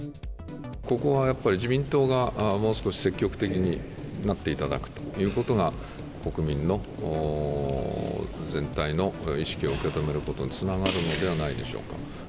ここはやっぱり、自民党がもう少し積極的になっていただくということが国民の全体の意識を受け止めることにつながるのではないでしょうか。